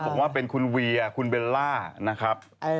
บอกว่าเป็นคุณเวียคุณเบลล่านะครับ